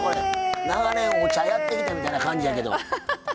長年、お茶やってきた人みたいですけど。